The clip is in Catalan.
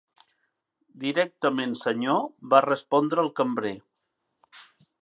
'Directament, senyor,' va respondre el cambrer.